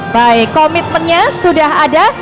baik komitmennya sudah ada